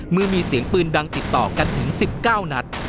เมื่อมีเสียงปืนดังติดต่อกันถึง๑๙นัด